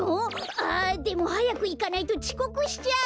あっでもはやくいかないとちこくしちゃう！